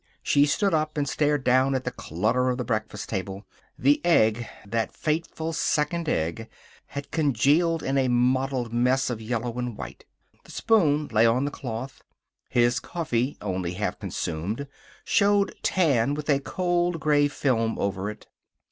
She stood up and stared down at the clutter of the breakfast table. The egg that fateful second egg had congealed to a mottled mess of yellow and white. The spoon lay on the cloth. His coffee, only half consumed, showed tan with a cold gray film over it.